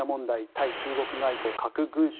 対中国外交、核軍縮。